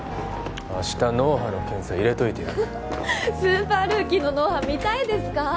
明日脳波の検査入れといてやるスーパールーキーの脳波見たいですか？